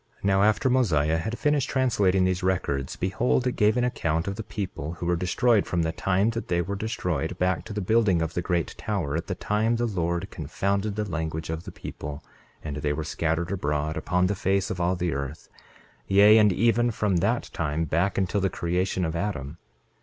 28:17 Now after Mosiah had finished translating these records, behold, it gave an account of the people who were destroyed, from the time that they were destroyed back to the building of the great tower, at the time the Lord confounded the language of the people and they were scattered abroad upon the face of all the earth, yea, and even from that time back until the creation of Adam.